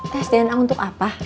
tes dna untuk apa